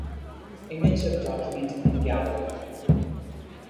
Image of document in gallery.